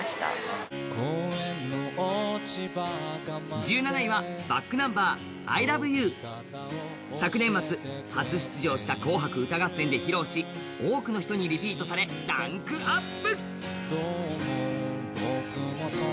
１７位はｂａｃｋｎｕｍｂｅｒ「アイラブユー」昨年末、初出場した「紅白歌合戦」で披露し多くの人にリピートされランクアップ！